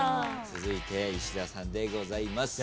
続いて石田さんでございます。